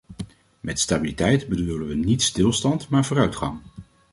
Met stabiliteit bedoelen we niet stilstand maar vooruitgang.